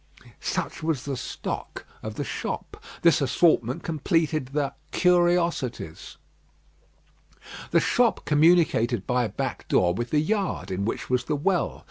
Such was the stock of the shop; this assortment completed the "curiosities." The shop communicated by a back door with the yard in which was the well.